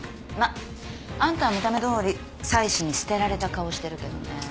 まっあんたは見た目どおり妻子に捨てられた顔してるけどね。